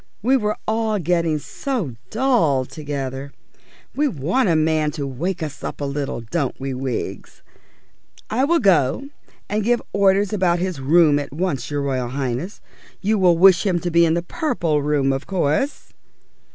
We were all getting so dull together! We want a man to wake us up a little, don't we, Wiggs? I will go and give orders about his room at once, your Royal Highness. You will wish him to be in the Purple Room, of course?"